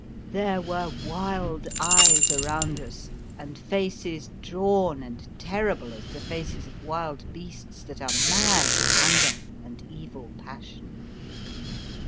There were wild eyes around us, and faces drawn and terrible as the faces of wild beasts that are mad with hunger and evil passion.